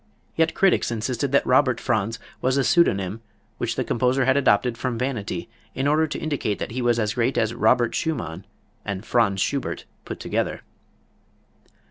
Yet critics insisted that Robert Franz was a pseudonym which the composer had adopted from vanity in order to indicate that he was as great as Robert Schumann and Franz Schubert put together.